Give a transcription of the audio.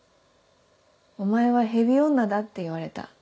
「お前はヘビ女だ」って言われた。